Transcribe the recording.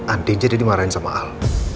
andi jadi dimarahin sama al